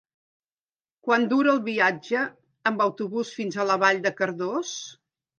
Quant dura el viatge en autobús fins a Vall de Cardós?